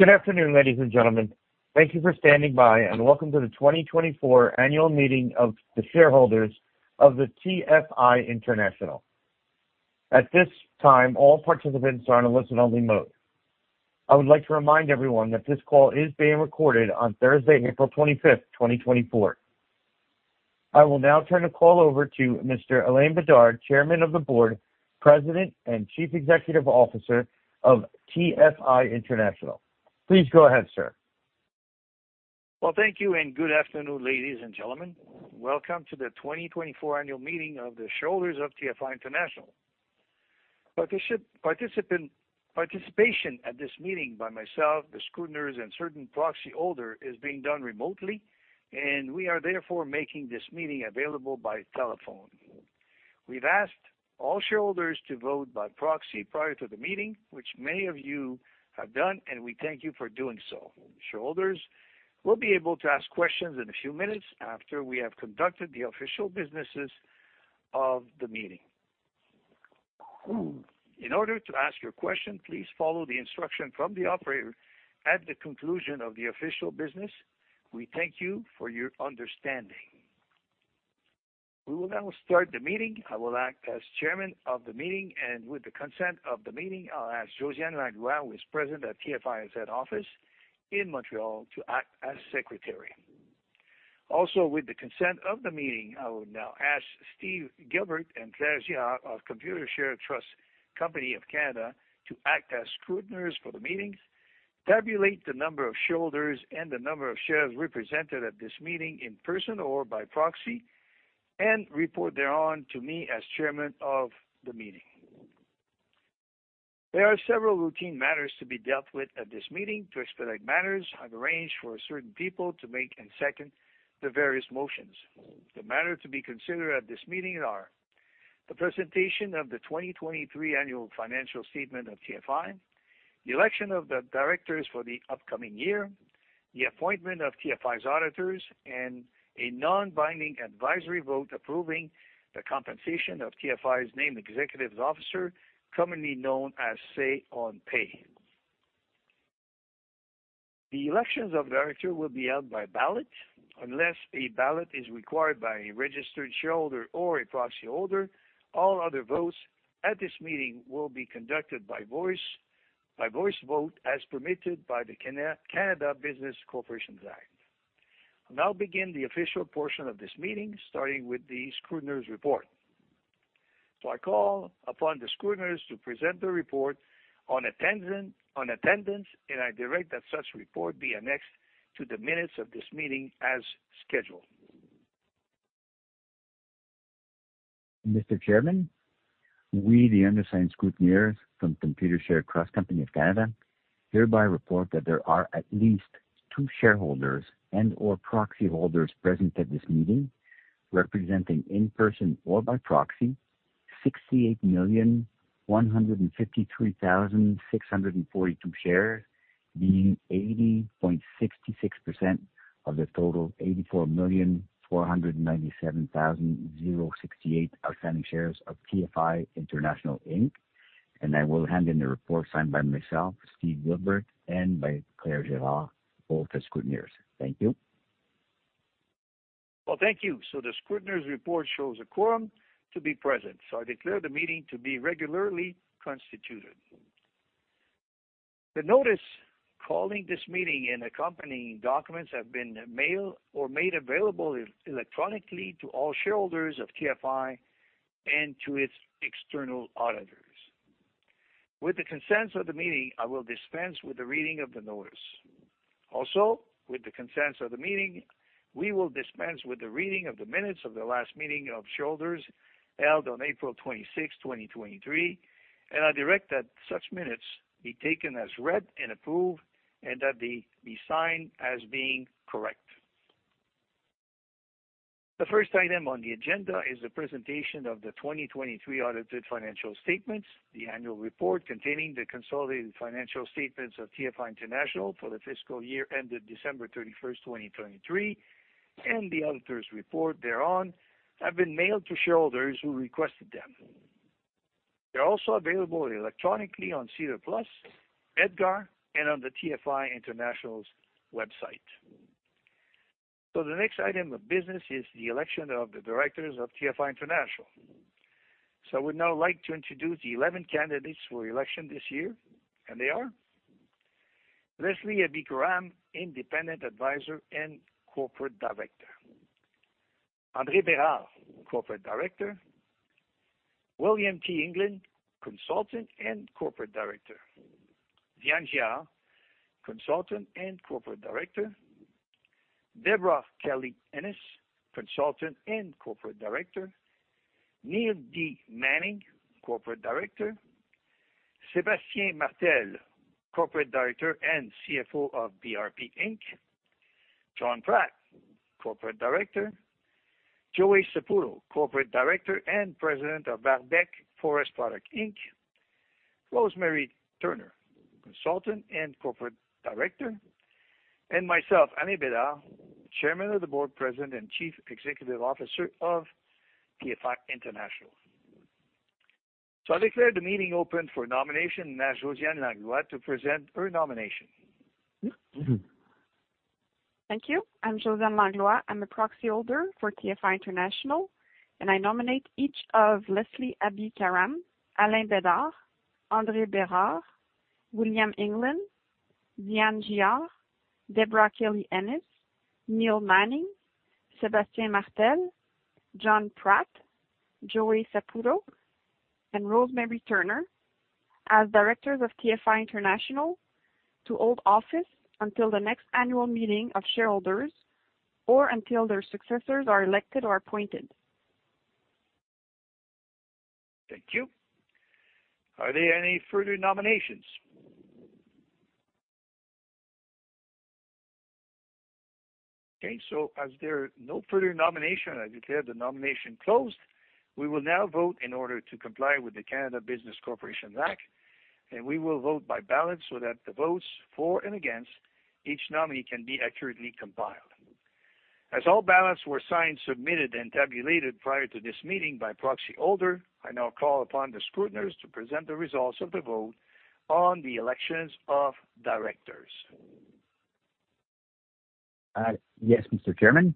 Good afternoon, ladies and gentlemen. Thank you for standing by, and welcome to the 2024 Annual Meeting of the Shareholders of the TFI International. At this time, all participants are on a listen-only mode. I would like to remind everyone that this call is being recorded on Thursday, April 25, 2024. I will now turn the call over to Mr. Alain Bédard, Chairman of the Board, President, and Chief Executive Officer of TFI International. Please go ahead, sir. Well, thank you, and good afternoon, ladies and gentlemen. Welcome to the 2024 Annual Meeting of the Shareholders of TFI International. Participation at this meeting by myself, the scrutineers, and certain proxy holder is being done remotely, and we are therefore making this meeting available by telephone. We've asked all shareholders to vote by proxy prior to the meeting, which many of you have done, and we thank you for doing so. Shareholders will be able to ask questions in a few minutes after we have conducted the official businesses of the meeting. In order to ask your question, please follow the instruction from the operator at the conclusion of the official business. We thank you for your understanding. We will now start the meeting. I will act as chairman of the meeting, and with the consent of the meeting, I'll ask Josiane-Mélanie Langlois, who is present at TFI's head office in Montreal, to act as secretary. Also, with the consent of the meeting, I would now ask Steve Gilbert and Claire Girard of Computershare Trust Company of Canada to act as scrutineers for the meeting, tabulate the number of shareholders and the number of shares represented at this meeting in person or by proxy, and report thereon to me as chairman of the meeting. There are several routine matters to be dealt with at this meeting. To expedite matters, I've arranged for certain people to make and second the various motions. The matter to be considered at this meeting are: the presentation of the 2023 annual financial statement of TFI, the election of the directors for the upcoming year, the appointment of TFI's auditors, and a non-binding advisory vote approving the compensation of TFI's named executive officer, commonly known as Say on Pay. The election of directors will be held by ballot. Unless a ballot is required by a registered shareholder or a proxy holder, all other votes at this meeting will be conducted by voice, by voice vote, as permitted by the Canada Business Corporations Act. I'll now begin the official portion of this meeting, starting with the scrutineers' report. So I call upon the scrutineers to present their report on attendance, and I direct that such report be annexed to the minutes of this meeting as scheduled. Mr. Chairman, we, the undersigned scrutineers from Computershare Trust Company of Canada, hereby report that there are at least two shareholders and/or proxy holders present at this meeting, representing in person or by proxy 68,153,642 shares, meaning 80.66% of the total 84,497,068 outstanding shares of TFI International Inc. I will hand in the report signed by myself, Steve Gilbert, and by Claire Girard, both as scrutineers. Thank you. Well, thank you. So the scrutineers' report shows a quorum to be present, so I declare the meeting to be regularly constituted. The notice calling this meeting and accompanying documents have been mailed or made available electronically to all shareholders of TFI and to its external auditors. With the consent of the meeting, I will dispense with the reading of the notice. Also, with the consent of the meeting, we will dispense with the reading of the minutes of the last meeting of shareholders, held on April 26, 2023, and I direct that such minutes be taken as read and approved and that they be signed as being correct. The first item on the agenda is a presentation of the 2023 audited financial statements. The annual report, containing the consolidated financial statements of TFI International for the fiscal year ended December 31st, 2023, and the auditor's report thereon, have been mailed to shareholders who requested them. They're also available electronically on SEDAR+, EDGAR, and on the TFI International's website. So the next item of business is the election of the directors of TFI International. So I would now like to introduce the 11 candidates for election this year, and they are: Leslie Abi-Karam, independent advisor and corporate director; André Bérard, corporate director; William T. England, consultant and corporate director; Diane Giard, consultant and corporate director; Deborah Kelly-Ennis, consultant and corporate director; Neil D. Manning, corporate director; Sébastien Martel, corporate director and CFO of BRP Inc.; John Pratt, corporate director; Joey Saputo, corporate director and president of Arbec Forest Product Inc.; Rosemary Turner, consultant and corporate director; and myself, Alain Bedard, chairman of the board, president, and Chief Executive Officer of TFI International. I declare the meeting open for nomination and Josiane Langlois to present her nomination. Thank you. I'm Josiane Langlois. I'm a proxy holder for TFI International, and I nominate each of Leslie Abi-Karam, Alain Bedard, André Bérard, William England, Diane Giard, Deborah Kelly-Ennis, Neil Manning, Sébastien Martel, John Pratt, Joey Saputo, and Rosemary Turner as directors of TFI International to hold office until the next annual meeting of shareholders or until their successors are elected or appointed. Thank you. Are there any further nominations? Okay, so as there are no further nomination, I declare the nomination closed. We will now vote in order to comply with the Canada Business Corporations Act, and we will vote by ballot so that the votes for and against each nominee can be accurately compiled. As all ballots were signed, submitted, and tabulated prior to this meeting by proxy holder, I now call upon the scrutineers to present the results of the vote on the elections of directors. Yes, Mr. Chairman.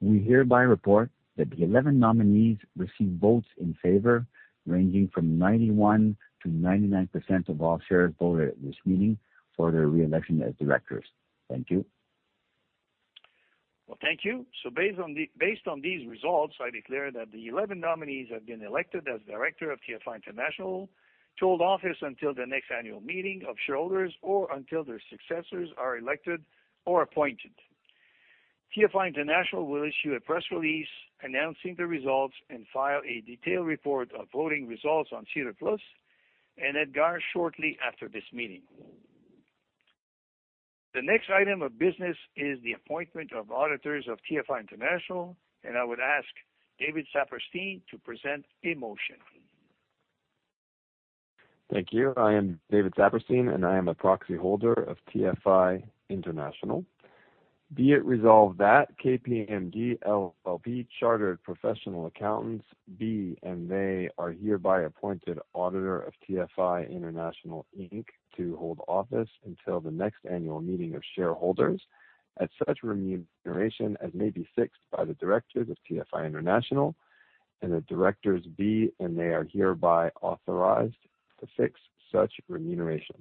We hereby report that the 11 nominees received votes in favor, ranging from 91% to 99% of all shares voted at this meeting for their reelection as directors. Thank you. Well, thank you. So based on the, based on these results, I declare that the 11 nominees have been elected as director of TFI International to hold office until the next annual meeting of shareholders or until their successors are elected or appointed. TFI International will issue a press release announcing the results and file a detailed report of voting results on SEDAR+ and EDGAR shortly after this meeting. The next item of business is the appointment of auditors of TFI International, and I would ask David Saperstein to present a motion. Thank you. I am David Saperstein, and I am a proxy holder of TFI International. Be it resolved that KPMG LLP, chartered professional accountants, be it, and they are hereby appointed auditor of TFI International Inc. to hold office until the next annual meeting of shareholders at such remuneration as may be fixed by the directors of TFI International, and the directors be, and they are hereby authorized to fix such remuneration.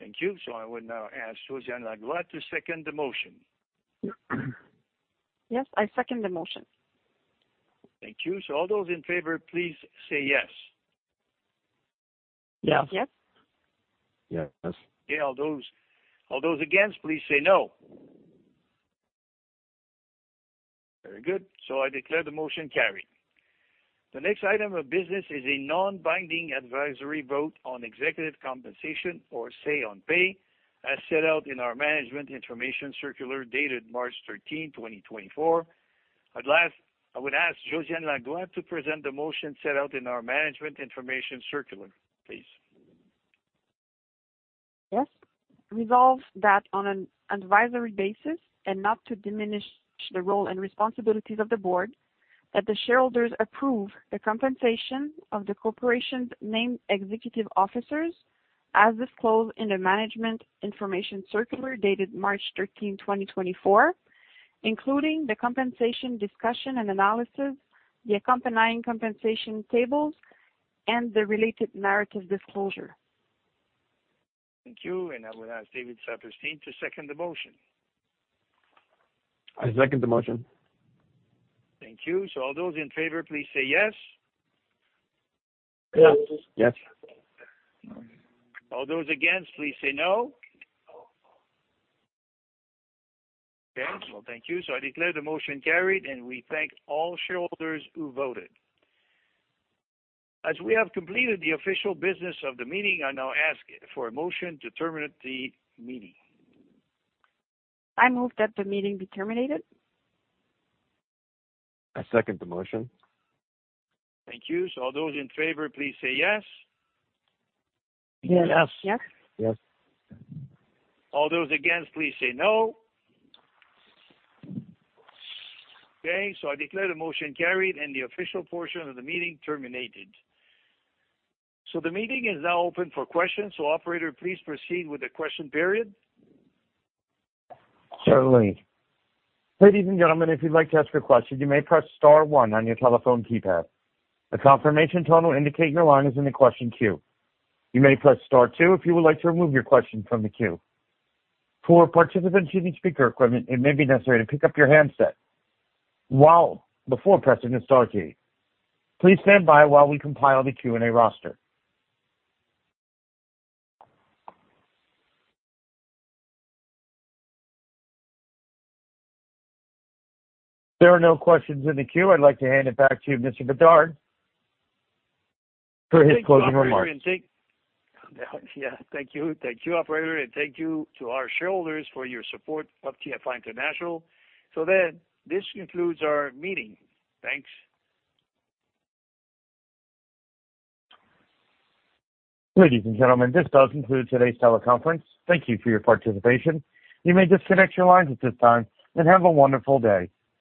Thank you. I would now ask Josiane Langlois to second the motion. Yes, I second the motion. Thank you. So all those in favor, please say yes. Yes. Yes. Yes. Okay. All those, all those against, please say no. Very good. So I declare the motion carried. The next item of business is a non-binding advisory vote on executive compensation, or Say on pay, as set out in our management information circular dated March 13, 2024. At last, I would ask Josiane Langlois to present the motion set out in our management information circular, please. Yes. Resolve that on an advisory basis and not to diminish the role and responsibilities of the board, that the shareholders approve the compensation of the corporation's named executive officers, as disclosed in the management information circular dated March 13, 2024, including the compensation discussion and analysis, the accompanying compensation tables, and the related narrative disclosure. Thank you, and I will ask David Saperstein to second the motion. I second the motion. Thank you. All those in favor, please say yes. Yes. Yes. Yes. All those against, please say no. Okay. Well, thank you. So I declare the motion carried, and we thank all shareholders who voted. As we have completed the official business of the meeting, I now ask for a motion to terminate the meeting. I move that the meeting be terminated. I second the motion. Thank you. All those in favor, please say yes. Yes. Yes. Yes. All those against, please say no. Okay, so I declare the motion carried and the official portion of the meeting terminated. So the meeting is now open for questions. So operator, please proceed with the question period. Certainly. Ladies and gentlemen, if you'd like to ask a question, you may press star one on your telephone keypad. A confirmation tone will indicate your line is in the question queue. You may press star two if you would like to remove your question from the queue. For participants using speaker equipment, it may be necessary to pick up your handset before pressing the star key. Please stand by while we compile the Q&A roster. There are no questions in the queue. I'd like to hand it back to you, Mr. Bédard, for his closing remarks. Yeah, thank you. Thank you, operator, and thank you to our shareholders for your support of TFI International. So then, this concludes our meeting. Thanks. Ladies and gentlemen, this does conclude today's teleconference. Thank you for your participation. You may disconnect your lines at this time, and have a wonderful day.